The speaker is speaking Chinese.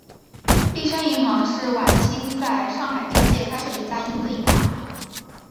利升银行是晚清在上海租界开设的一家英资银行。